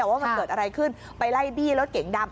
ว่ามันเกิดอะไรขึ้นไปไล่บี้รถเก๋งดำ